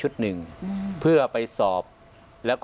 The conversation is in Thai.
อันดับที่สุดท้าย